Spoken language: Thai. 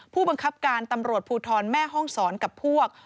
ผู้บังคับการตำรวจภูทรแม่ห้องศรกับพวก